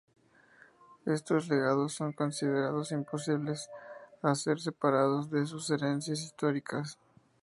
Estos legados son considerados imposibles de ser separados de sus herencias históricas.